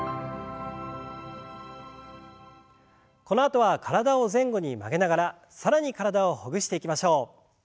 このあとは体を前後に曲げながら更に体をほぐしていきましょう。